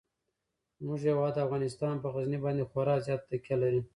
زموږ هیواد افغانستان په غزني باندې خورا زیاته تکیه لري.